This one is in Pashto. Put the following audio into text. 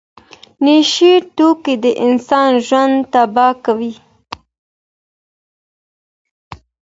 نشه یي توکي د انسان ژوند تباه کوي.